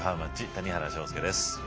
谷原章介です。